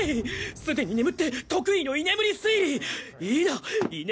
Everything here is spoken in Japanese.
すでに眠って得意の居眠り推理否！